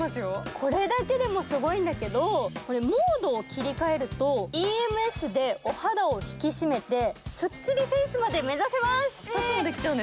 これだけでもすごいんだけど、モードを切り替えると、ＥＭＳでお肌を引き締めてすっきりフェイスまで目指します。